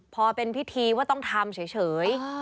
พอเป็นพิธีว่าต้องทำเฉย